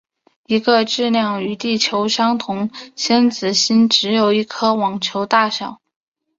一个质量与地球相同先子星的只有一颗网球大小。